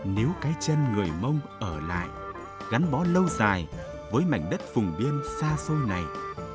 nếu cái chân người mông ở lại gắn bó lâu dài với mảnh đất vùng biên xa xôi này